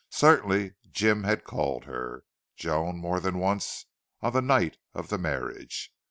Certainly Jim had called her Joan more than once on the night of the marriage.